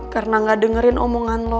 karena gak dengerin omongan lo